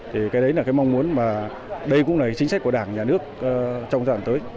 thì cái đấy là cái mong muốn mà đây cũng là chính sách của đảng nhà nước trong giai đoạn tới